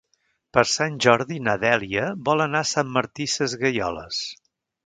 Per Sant Jordi na Dèlia vol anar a Sant Martí Sesgueioles.